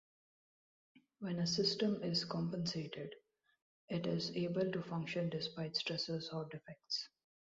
When a system is "compensated", it is able to function despite stressors or defects.